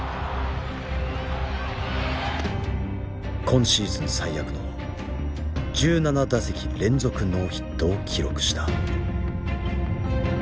今シーズン最悪の１７打席連続ノーヒットを記録した。